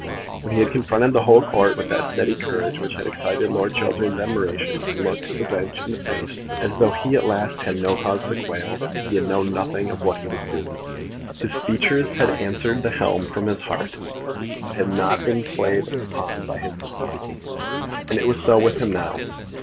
When he had confronted the whole Court with that steady courage which had excited Lord Chiltern's admiration, and had looked the Bench in the face as though he at least had no cause to quail, he had known nothing of what he was doing. His features had answered the helm from his heart, but had not been played upon by his intellect. And it was so with him now.